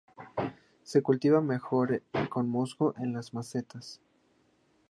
Se cultivan mejor con musgo en las macetas.